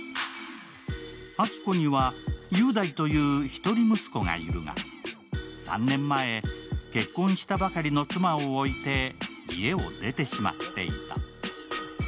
明子には、雄大という一人息子がいるが３年前、結婚したばかりの妻を置いて、家を出てしまっていた。